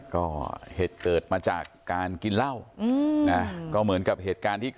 ก็เหตุเกิดมาจากการกินเหล้าก็เหมือนกับเหตุการณ์ที่